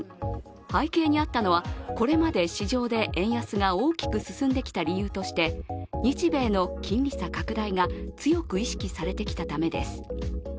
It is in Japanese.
背景にあったのは、これまで市場で円安が大きく進んできた理由として日米の金利差拡大が強く意識されてきたためです。